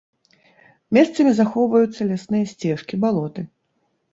Месцамі захоўваюцца лясныя сцежкі, балоты.